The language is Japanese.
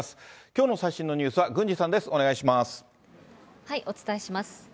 きょうの最新のニュースは郡司さんです、お伝えします。